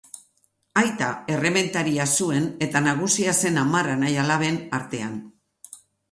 Aita errementaria zuen eta nagusia zen hamar anai-alaben artean.